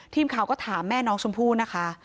ทีมข่าวก็ถามแม่น้องชมพู่นะคะ